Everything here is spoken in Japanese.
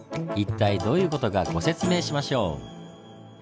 一体どういう事かご説明しましょう。